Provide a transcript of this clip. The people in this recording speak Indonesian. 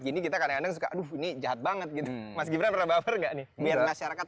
gini kita kadang kadang suka aduh ini jahat banget gitu mas gibran pernah baper nggak nih biar masyarakat